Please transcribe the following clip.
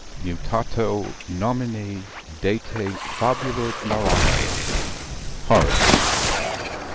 Mutato nomine de te Fabula narratur. HORACE.